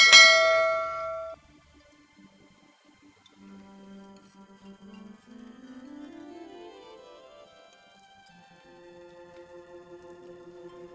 setiap senulun buat